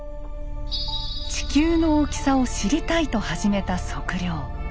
「地球の大きさを知りたい」と始めた測量。